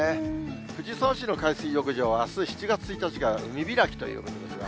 藤沢市の海水浴場はあす７月１日が海開きということですが。